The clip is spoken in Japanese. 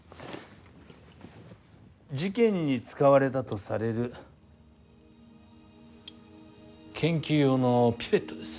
事件に使われたとされる研究用のピペットです。